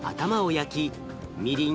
焼きみりん